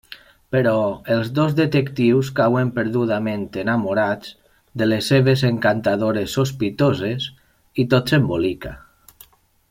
Però els dos detectius cauen perdudament enamorats de les seves encantadores sospitoses i tot s'embolica.